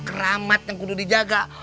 keramat yang kudu dijaga